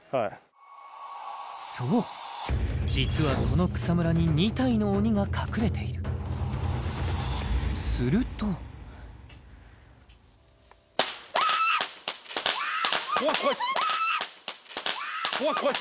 そう実はこの草むらに２体の鬼が隠れているするとやー怖い怖い怖い！